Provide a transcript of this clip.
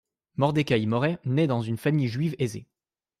Mordecaï Moreh naît dans une famille juive aisée.